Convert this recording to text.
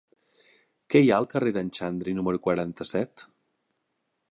Què hi ha al carrer d'en Xandri número quaranta-set?